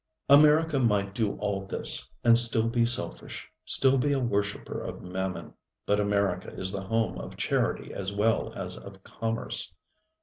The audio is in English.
America might do all this, and still be selfish, still be a worshipper of Mammon. But America is the home of charity as well as of commerce.